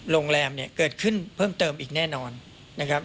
โรงแรมเนี่ยเกิดขึ้นเพิ่มเติมอีกแน่นอนนะครับ